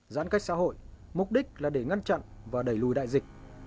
giãn cách xã hội mục đích là để ngăn chặn và đẩy lùi đại dịch